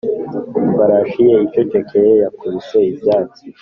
ifarashi ye icecekeye yakubise ibyatsi